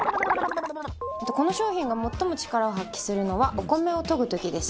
この商品が最も力を発揮するのはお米をとぐ時です。